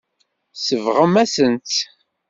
Tsebɣem-asent-tt.